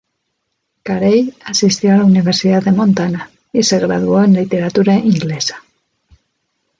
Carey asistió a la Universidad de Montana y se graduó en Literatura Inglesa.